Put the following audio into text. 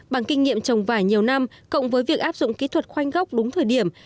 bằng kinh nghiệm trồng vải nhiều năm cộng với việc áp dụng kỹ thuật khoanh gốc đúng thời điểm